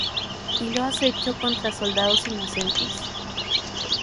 Y lo has hecho contra soldados inocentes.